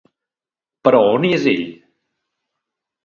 Però on és ell?